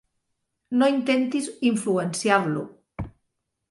No intentis influenciar-lo.